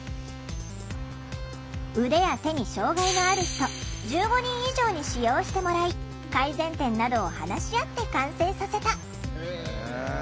腕や手に障害のある人１５人以上に使用してもらい改善点などを話し合って完成させた。